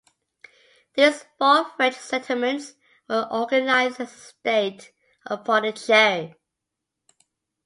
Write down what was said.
These four french settlements were organized as State of Pondicherry.